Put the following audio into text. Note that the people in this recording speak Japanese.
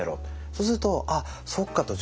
そうするとああそっかと。